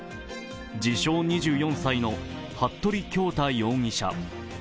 自称・２４歳の服部恭太容疑者。